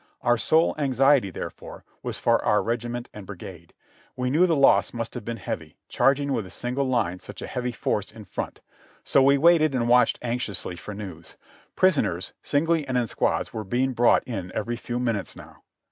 Our sole anxiety, therefore, was for our regiment and brigade. We knew the loss must have been heavy, charging with a single line such a heavy force in front; so we waited and watched anxiously for news. Prisoners, singly and in squads, were being brought in every few minutes now.